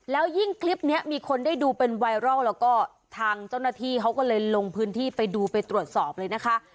แล้วยิ่งคลิปนี้มีคนได้ดูเป็นไวรัลแล้วก็ทางเจ้าหน้าที่เขาก็เลยลงพื้นที่ไปดูไปตรวจสอบเลยนะคะ